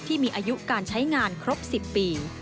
ที่มีอายุการใช้งานครบ๑๐ปี